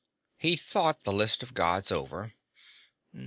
He thought the list of Gods over.